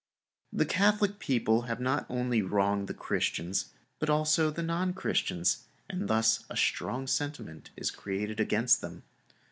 The Catholic people have not only wronged the Christians, but also the non Christians, and thus a strong sentiment is created against them.